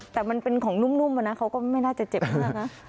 แต่มันเป็นของนุ่มนะเขาก็ไม่น่าจะเจ็บมากนะ